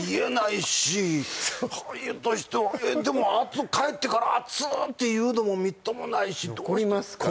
俳優としてはでも帰ってから「熱！」って言うのもみっともないし残りますからね